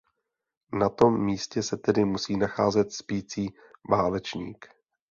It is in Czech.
Na tom místě se tedy musí nacházet spící Válečník.